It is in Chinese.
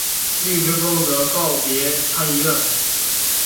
绿之风则告别参议院。